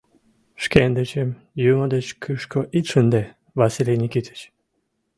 — Шкендычым Юмо деч кӱшкӧ ит шынде, Василий Никитыч...